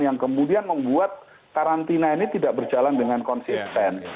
yang kemudian membuat karantina ini tidak berjalan dengan konsisten